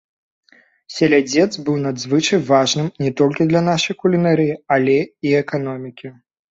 Селядзец быў надзвычай важным не толькі для нашай кулінарыі, але і эканомікі.